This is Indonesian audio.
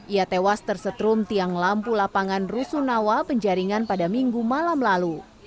ia tewas tersetrum tiang lampu lapangan rusunawa penjaringan pada minggu malam lalu